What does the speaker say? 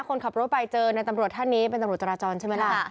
คนขับรถไปเจอในตำรวจท่านนี้เป็นตำรวจจราจรใช่ไหมล่ะ